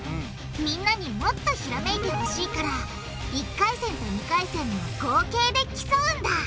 みんなにもっとひらめいてほしいから１回戦と２回戦の合計で競うんだ。